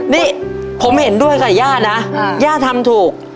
นี่ผมเห็นด้วยกับย่านะย่าทำถูก